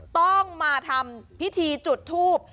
ต้องมาทำพิธีจุดทูบ